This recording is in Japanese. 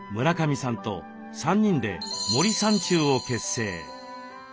村上さんと３人で森三中を結成。